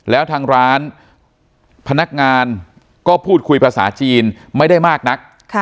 แล้วทางร้านพนักงานก็พูดคุยภาษาจีนไม่ได้มากนัก